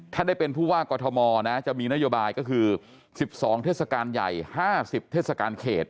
ถ้าได้เป็นผู้ว่ากอทมนะจะมีนโยบายก็คือ๑๒เทศกาลใหญ่๕๐เทศกาลเขต